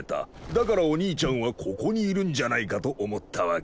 だからお兄ちゃんはここにいるんじゃないかと思ったわけさ。